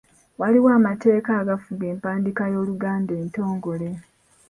Waliwo amateeka agafuga empandiika y’Oluganda entongole.